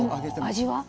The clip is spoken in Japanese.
味は？